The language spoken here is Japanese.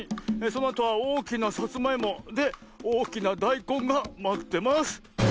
そのあとはおおきなさつまいも。でおおきなだいこんがまってます」。